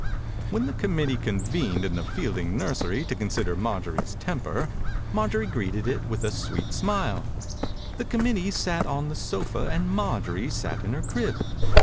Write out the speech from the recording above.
When the committee con vened in the Fielding nursery to consider Marjorie's temper, Marjorie greeted it with a sweet smile. The committee sat on the sofa and Marjorie sat in her crib.